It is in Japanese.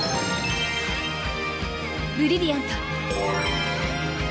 ブリリアント！